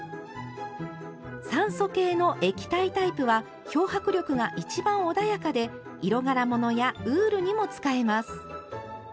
酸素系の液体タイプは漂白力が一番穏やかで色柄物やウールにも使えます。